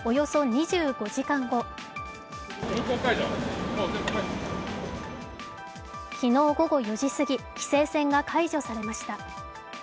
２５時間後昨日午後４時過ぎ規制線が解除されました。